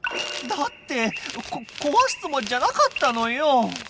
だってこ壊すつもりじゃなかったのよ。